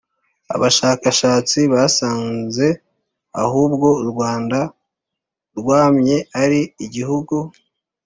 abashakashatsi basanze ahubwo u rwanda rwamye ari igihugu